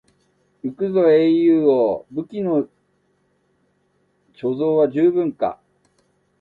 行くぞ英雄王、武器の貯蔵は十分か？